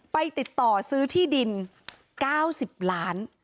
ไปติดต่อซื้อที่ดิน๙๐ล้าน